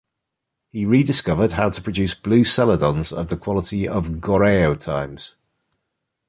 He rediscovered how to produce blue celadons of the quality of Goryeo times.